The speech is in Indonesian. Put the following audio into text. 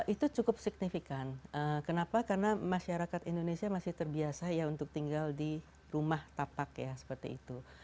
itu cukup signifikan kenapa karena masyarakat indonesia masih terbiasa ya untuk tinggal di rumah tapak ya seperti itu